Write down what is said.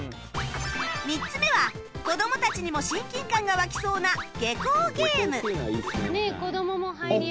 ３つ目は子どもたちにも親近感が湧きそうな下校ゲーム